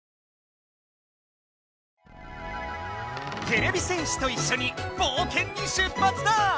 てれび戦士といっしょにぼうけんに出発だ！